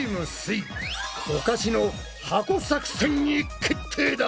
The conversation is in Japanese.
イ「おかしの箱作戦」に決定だ！